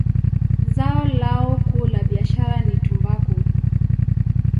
Zao lao kuu la biashara ni tumbaku.